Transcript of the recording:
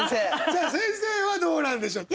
じゃあ先生はどうなんでしょう。